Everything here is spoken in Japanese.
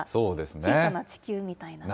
小さな地球みたいな。